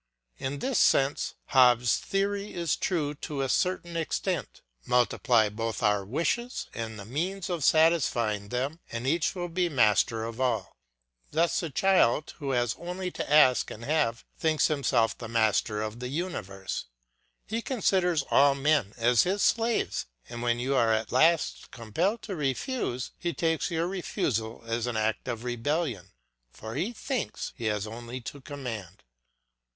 In this sense Hobbes' theory is true to a certain extent: Multiply both our wishes and the means of satisfying them, and each will be master of all. Thus the child, who has only to ask and have, thinks himself the master of the universe; he considers all men as his slaves; and when you are at last compelled to refuse, he takes your refusal as an act of rebellion, for he thinks he has only to command.